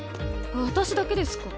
私だけですか？